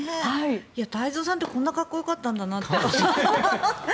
太蔵さんって、こんなにかっこよかったんだなって。